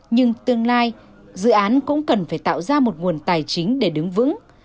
nhưng tương lai dự án cũng cần phải tạo ra một nguồn tài chính để đứng vững